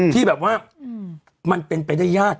ที่แบบว่ามันเป็นประไดญาติ